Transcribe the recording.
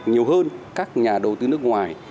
nhiều hơn các nhà đầu tư nước ngoài